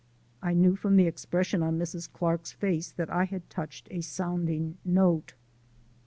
I knew from the expression on Mrs. Clark's face that I had touched a sounding note.